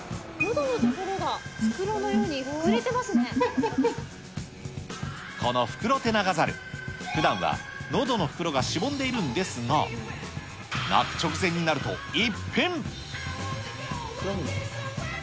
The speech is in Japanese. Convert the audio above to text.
どの所が、このフクロテナガザル、ふだんは、のどの袋がしぼんでいるんですが、鳴く直前になると一変。